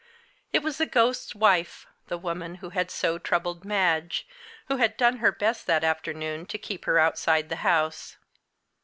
It was the "ghost's wife," the woman who had so troubled Madge, who had done her best that afternoon to keep her outside the house.